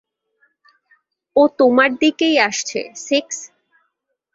ও তোমার দিকেই আসছে, সিক্স।